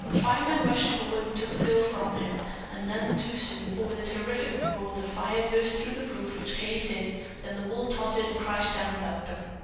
Firemen rushed forward and took the girl from him, and none too soon, for with a terrific roar the fire burst through the roof, which caved in; then the wall tottered and crashed down about them.